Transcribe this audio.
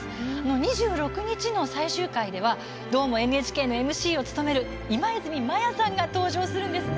２６日の最終回には「どーも、ＮＨＫ」のＭＣを務める今泉マヤさんが登場するんですね。